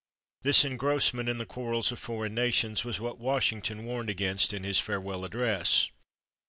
This engrossment in the quarrels of foreign nations was what Washington warned against in his Farewell Address.